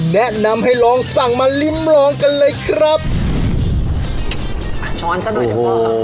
แนะนำให้ลองสั่งมาริมรองกันเลยครับอ่าช้อนซะหน่อยเฉพาะโอ้โห